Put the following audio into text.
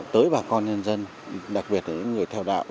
tới bà con nhân dân đặc biệt là những người theo đạo